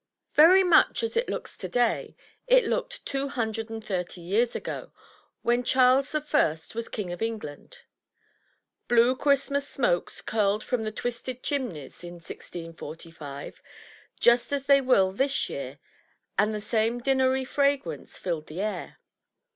Very much as it looks today, it looked two hundred and thirty years ago, when Charles the First was king of England. Blue Christmas smokes curled from the twisted chimneys in 1645, just as they will this year and the same dinnery fragrance filled the air.